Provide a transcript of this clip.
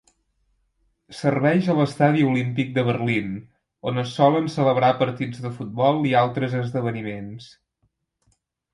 Serveix a l"Estadi Olímpic de Berlin, on es solen celebrar partits de futbol i altres esdeveniments.